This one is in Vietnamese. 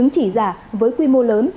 bằng cấp chứng chỉ giả với quy mô lớn